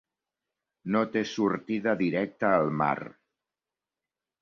No té sortida directa al mar.